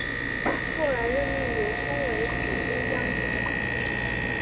后来任命刘聪为抚军将军。